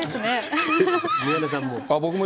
宮根さんも。